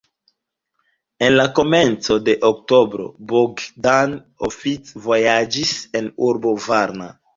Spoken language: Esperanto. En la komenco de oktobro Bogdan oficvojaĝis en urbon Varna.